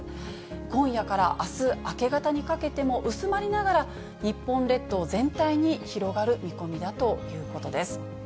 今夜からあす明け方にかけても薄まりながら、日本列島全体に広がる見込みだということです。